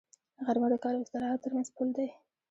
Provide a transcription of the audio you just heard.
غرمه د کار او استراحت تر منځ پل دی